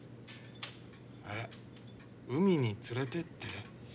えっ海に連れてって？